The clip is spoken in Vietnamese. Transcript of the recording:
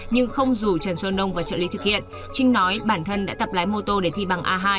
nhưng không dù trần xuân đông và trợ lý thực hiện trinh nói bản thân đã tập lái mô tô để thi bằng a hai